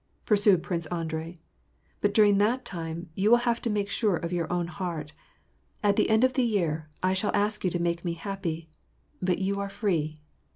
" pursued Prince Andrei. " But during the time, you will have made sure of your own heart. At the end of the '"»« T sliall ask you to make me happy ; but you are free. WAR AND PEACE.